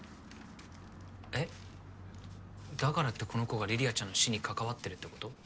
えっだからってこの子が梨里杏ちゃんの死に関わってるってこと？